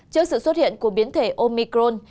trước sự xuất hiện của biến thể omicron